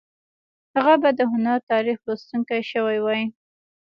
هغه به د هنر تاریخ لوستونکی شوی وای